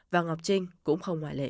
và ngọc trinh cũng không ngoại lệ